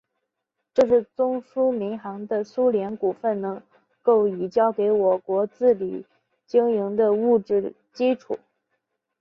这是中苏民航的苏联股份能够已交给我国自力经营的物质基础。